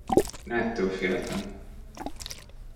Ettől féltem.